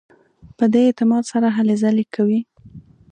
په دې اعتماد سره هلې ځلې کوي.